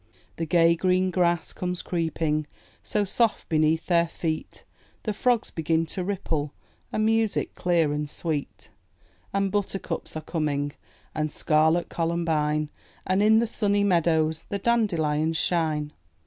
The gay green grass comes creeping So soft beneath their feet; The frogs begin to ripple A music clear and sweet. 302 IN THE NURSERY And buttercups are coming, And scarlet columbine, And in the sunny meadows The dandelions shine.